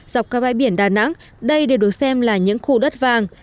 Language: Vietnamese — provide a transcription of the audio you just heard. dọc các bãi biển đà nẵng đây đều được xem là những khu đất vàng